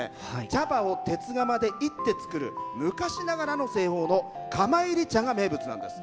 茶葉を鉄釜でいって作る昔ながらの製法の釜炒り茶が名物なんです。